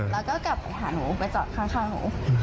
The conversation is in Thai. แล้วก็กลับไปหาหนูไปจอดข้างหนู